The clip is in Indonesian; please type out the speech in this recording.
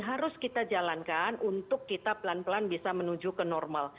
harus kita jalankan untuk kita pelan pelan bisa menuju ke normal